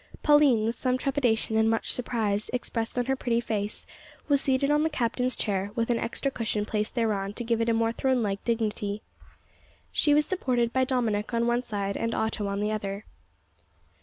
Pauline, with some trepidation and much surprise expressed on her pretty face, was seated on the captain's chair, with an extra cushion placed thereon to give it a more throne like dignity. She was supported by Dominick on one side and Otto on the other.